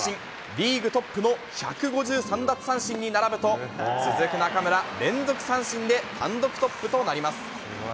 リーグトップの１５３奪三振に並ぶと、続く中村、連続三振で単独トップとなります。